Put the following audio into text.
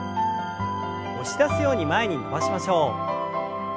押し出すように前に伸ばしましょう。